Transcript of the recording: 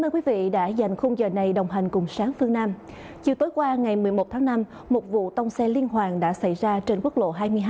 qua ngày một mươi một tháng năm một vụ tông xe liên hoàn đã xảy ra trên quốc lộ hai mươi hai